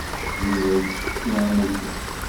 Yuba yessexsi amutur.